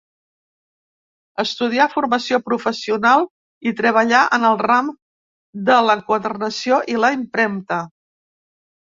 Estudià formació professional i treballà en el ram de l'enquadernació i la impremta.